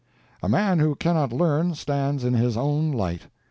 A man who cannot learn stands in his own light.